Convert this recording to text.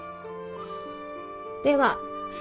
では。